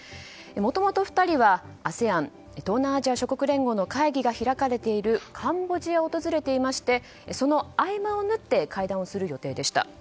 もともと２人はＡＳＥＡＮ・東南アジア諸国連合の会議が開かれているカンボジアを訪れていましてその合間をぬって会談をする予定でした。